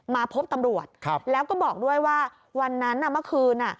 มาพบตำรวจแล้วก็บอกด้วยว่าวันนั้นเมื่อคืน